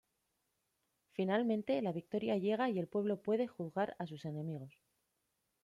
Finalmente la victoria llega y el pueblo puede juzgar a sus enemigos.